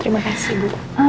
terima kasih ibu